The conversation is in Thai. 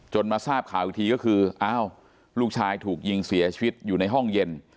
มาทราบข่าวอีกทีก็คืออ้าวลูกชายถูกยิงเสียชีวิตอยู่ในห้องเย็น